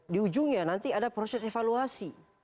di ujungnya nanti ada proses evaluasi